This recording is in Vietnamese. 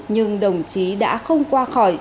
nhưng đồng chí đã không qua khỏi